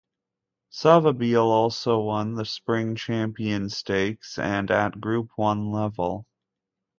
Savabeel also won the Spring Champion Stakes and at Group One level.